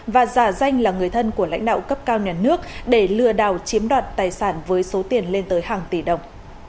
và giả danh là người thân của lãnh đạo cấp cao nhà nước để lừa đảo chiếm đoạt tài sản với số tiền lên tới hàng tỷ đồng